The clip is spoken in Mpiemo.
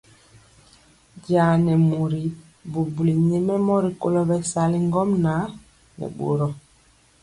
Jaa nɛ mori bubuli nyɛmemɔ rikolo bɛsali ŋgomnaŋ nɛ boro.